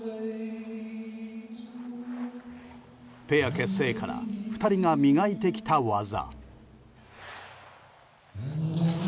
ペア結成から２人が磨いてきた技。